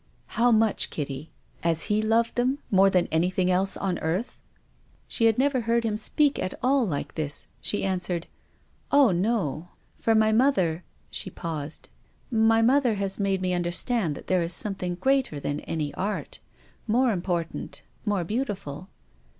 " How mucii, Kitty? As he loves them, more than anything else on earth ?" 126 TONGUES OF CONSCIENCE. She had never heard him speak at all like this. She answered :" Ah no. For my mother " She paused. " My mother has made me understand that there is something greater than any art, more important, more beautiful."